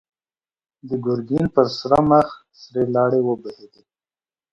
د ګرګين پر سره مخ سرې لاړې وبهېدې.